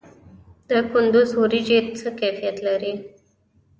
د کندز وریجې څه کیفیت لري؟